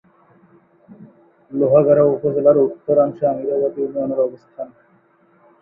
লোহাগাড়া উপজেলার উত্তরাংশে আমিরাবাদ ইউনিয়নের অবস্থান।